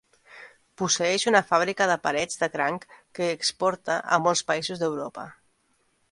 Posseeix una fàbrica de palets de cranc que exporta a molts països d'Europa.